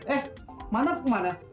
eh mana kemana